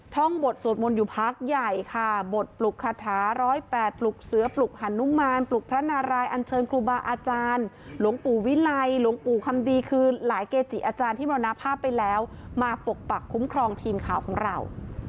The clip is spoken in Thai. ท่องบทสวดมนต์อยู่พักใหญ่ค่ะบทปลุกคาถา๑๐๘ปลุกเสือปลุกฮานุมานปลุกพระนารายอันเชิญครูบาอาจารย์หลวงปู่วิไลหลวงปู่คำดีคือหลายเกจิอาจารย์ที่มรณภาพไปแล้วมาปกปักคุ้มครองทีมข่าวของเรา